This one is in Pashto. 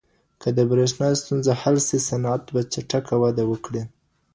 که د بريښنا ستونزه حل سي صنعت به چټکه وده وکړي.